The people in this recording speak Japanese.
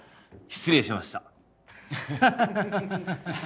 失礼しました。